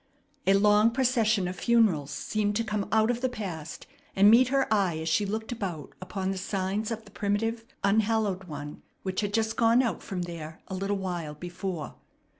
A long procession of funerals seemed to come out of the past and meet her eye as she looked about upon the signs of the primitive, unhallowed one which had just gone out from there a little while before.